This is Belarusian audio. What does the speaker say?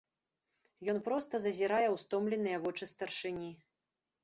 Ён проста зазірае ў стомленыя вочы старшыні.